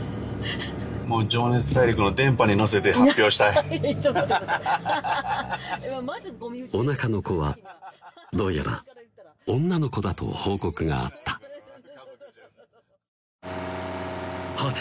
もう「情熱大陸」の電波に乗せて発表したいおなかの子はどうやら女の子だと報告があった果て